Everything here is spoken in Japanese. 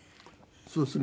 そうですね。